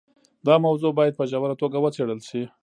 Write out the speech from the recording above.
دا موضوع باید په ژوره توګه وڅېړل شي.